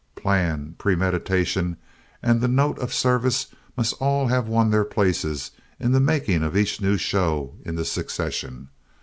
Plan, premeditation and the note of service must all have won their places in the making of each new show in the succession.